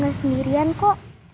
dan ini beliau